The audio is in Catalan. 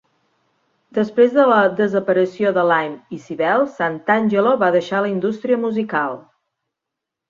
Després de la desaparició de Lyme i Cybelle, Santangelo va deixar la indústria musical.